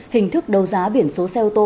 hình thức đầu giá biển số xe ô tô